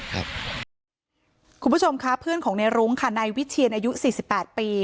ครับคุณผู้ชมคะเพื่อนของเนรุ้งค่ะในวิทยียนอายุสี่สิบแปดปี